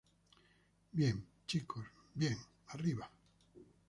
¡ bien, chicos, bien! ¡ arriba!